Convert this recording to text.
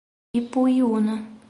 Ipuiuna